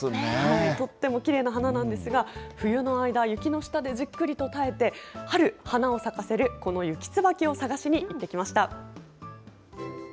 とってもきれいな花なんですが、冬の間、雪の下でじっくりと耐えて、春、花を咲かせるこのユキツバキを探しに行ってきました。